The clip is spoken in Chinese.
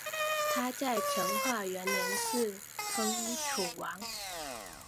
他在成化元年嗣封楚王。